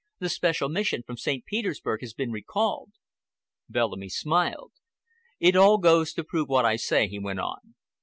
"The special mission from St. Petersburg has been recalled." Bellamy smiled. "It all goes to prove what I say," he went on.